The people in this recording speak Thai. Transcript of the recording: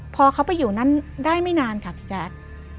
พอเขาไปอยู่นั่นได้ไม่นานค่ะพี่แจ๊ค